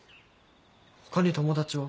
他に友達は？